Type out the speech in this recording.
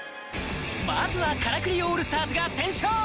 まずはからくりオールスターズが先勝！